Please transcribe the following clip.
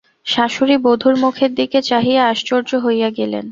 শাশুড়ী বধূর মুখের দিকে চাহিয়া আশ্চর্য হইয়া গেলেন।